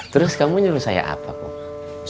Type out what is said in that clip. terus kamu nyuruh saya apa kok